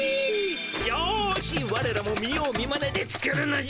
よしわれらも見よう見まねで作るのじゃ。